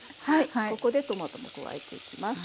ここでトマトも加えていきます。